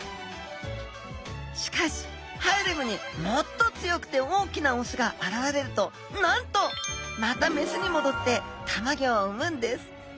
しかしハーレムにもっと強くて大きなオスが現れるとなんとまたメスに戻ってたまギョを産むんです。